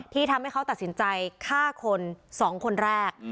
ที่ทำให้เขาตัดสินใจฆ่าคน๒คนแรก